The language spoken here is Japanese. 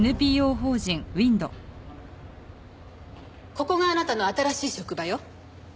ここがあなたの新しい職場よ。